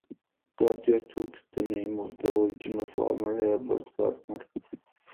Gardiner took the name of the original farmer, Herbert Gardner.